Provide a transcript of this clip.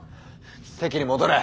席に戻れ。